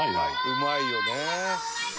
「うまいよね」